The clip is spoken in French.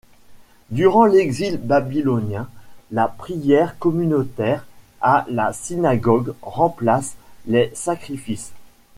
Durant l’exil babylonien, la prière communautaire à la synagogue remplace les sacrifices.